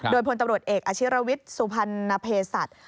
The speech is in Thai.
โดยผลตำรวจเอกอาชิรวิตสุภัณฑ์เพศัตริย์